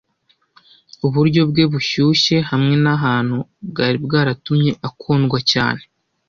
Uburyo bwe bushyushye hamwe nabantu bwari bwaratumye akundwa cyane.